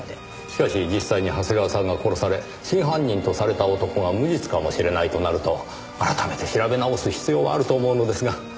しかし実際に長谷川さんが殺され真犯人とされた男が無実かもしれないとなると改めて調べ直す必要はあると思うのですが。